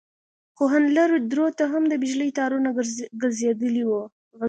خو ان لرو درو ته هم د بجلي تارونه غځېدلي وو.